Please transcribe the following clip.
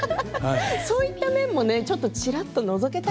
そういった面もちらっとのぞけたから。